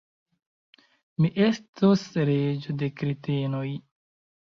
Mi estos reĝo de kretenoj!